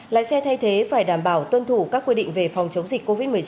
lái xe thay thế phải đảm bảo tuân thủ các quy định về phòng chống dịch covid một mươi chín